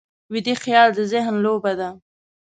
ویده خیال د ذهن لوبه ده